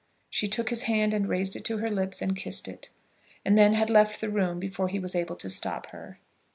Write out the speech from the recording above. She took his hand and raised it to her lips and kissed it, and then had left the room before he was able to stop her.